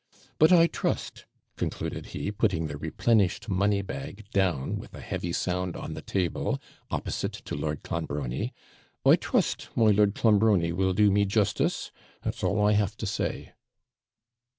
But I trust,' concluded he, putting the replenished money bag down with a heavy sound on the table, opposite to Lord Clonbrony, 'I trust, my Lord Clonbrony will do me justice; that's all I have to say.'